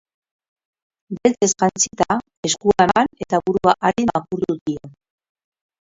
Beltzez jantzita, eskua eman eta burua arin makurtu dio.